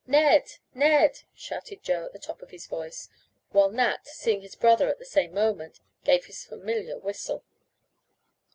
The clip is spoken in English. Ned! Ned!" shouted Joe at the top of his voice, while Nat, seeing his brother at the same moment, gave his familiar whistle.